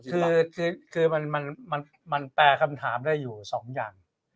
คือมันแปลคำถามได้อยู่๒อย่าง